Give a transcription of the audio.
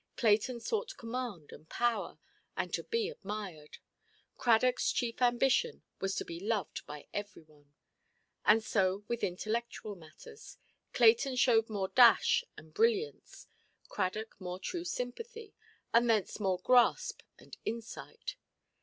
Clayton sought command and power, and to be admired; Cradockʼs chief ambition was to be loved by every one. And so with intellectual matters; Clayton showed more dash and brilliance, Cradock more true sympathy, and thence more grasp and insight.